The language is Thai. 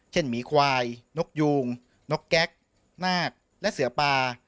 หมีควายนกยูงนกแก๊กนาคและเสือปลา